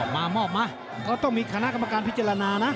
มามอบมาก็ต้องมีคณะกรรมการพิจารณานะ